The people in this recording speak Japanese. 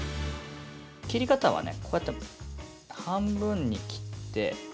◆切り方はね、こうやって半分に切って。